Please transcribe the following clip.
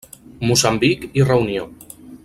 Moçambic i Reunió.